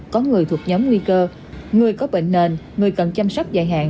có người thuộc nhóm nguy cơ người có bệnh nền người cần chăm sóc dài hạn